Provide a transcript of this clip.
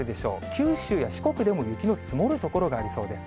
九州や四国でも、雪の積もる所がありそうです。